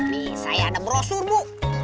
nih saya ada brosur bu